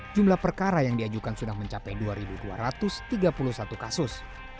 jumlah perkara yang diajukan sudah mencapai dua dua ratus tiga puluh satu kasus